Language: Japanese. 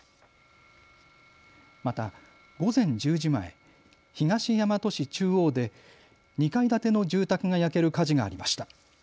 また午前１０時前、東大和市中央で２階建ての住宅が焼ける火事がありました。